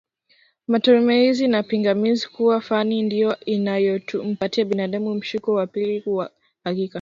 Matumaini na Pingamiz kuwa fani ndio inayompatia binadamu mshiko wa pili wa hakika